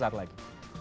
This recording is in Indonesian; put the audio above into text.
kita jumpa lagi